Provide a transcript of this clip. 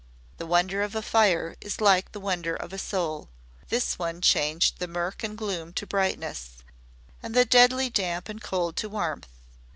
The wonder of a fire is like the wonder of a soul. This one changed the murk and gloom to brightness, and the deadly damp and cold to warmth.